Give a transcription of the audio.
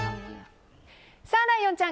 ライオンちゃん